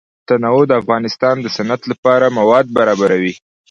تنوع د افغانستان د صنعت لپاره مواد برابروي.